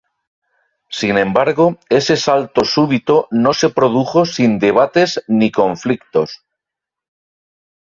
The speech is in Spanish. Sin embargo ese salto súbito no se produjo sin debates ni conflictos.